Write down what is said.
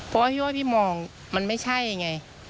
เพราะว่าพี่ว่าพี่มองมันไม่ใช่ไง